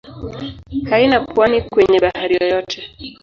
Haina pwani kwenye bahari yoyote.